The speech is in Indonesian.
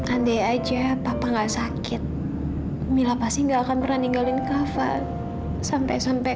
andai saja papa tidak sakit